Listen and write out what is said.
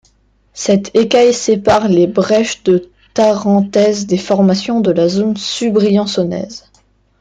Cette écaille sépare les brèches de Tarentaise des formations de la zone subbriançonnaise.